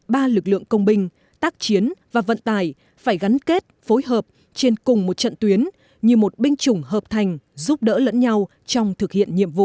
ba lực lượng công binh tác chiến và vận tài phải gắn kết phối hợp trên cùng một trận tuyến như một binh chủng hợp thành giúp đỡ lẫn nhau trong thực hiện nhiệm vụ